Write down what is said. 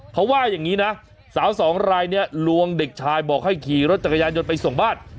เขาว่าอย่างนี้นะสาวสองรายเนี่ยลวงเด็กชายบอกให้ขี่รถจักรยานยนต์ไปส่งบ้าน